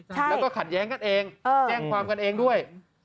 แล้วก็ขัดแย้งกันเองแจ้งความกันเองด้วย